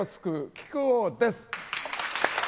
木久扇です。